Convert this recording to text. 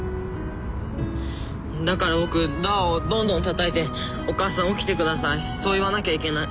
だから僕ドアをどんどんたたいて「お母さん起きてください」そう言わなきゃいけない。